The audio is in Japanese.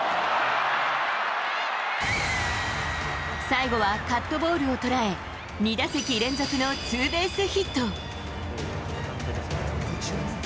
最後はカットボールを捉え、２打席連続のツーベースヒット。